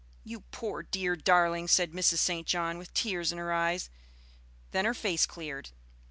"You poor dear darling!" said Mrs. St. John, with tears in her eyes. Then her face cleared.